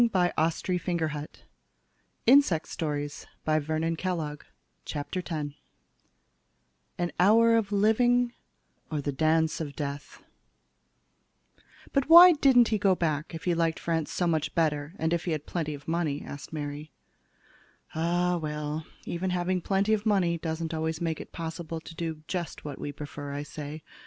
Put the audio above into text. [Illustration: AN HOUR OF LIVING OR THE DANCE OF DEATH] AN HOUR OF LIVING; OR, THE DANCE OF DEATH "But why didn't he go back if he liked France so much better; and if he had plenty of money?" asked Mary. "Ah, well, even having plenty of money doesn't always make it possible to do just what we prefer," I say.